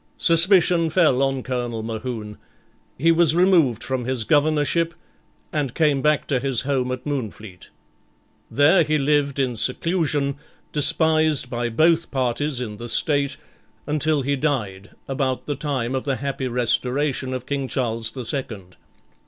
Suspicion fell on Colonel Mohune; he was removed from his Governorship, and came back to his home at Moonfleet. There he lived in seclusion, despised by both parties in the State, until he died, about the time of the happy Restoration of King Charles the Second.